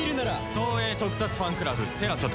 東映特撮ファンクラブＴＥＬＡＳＡで。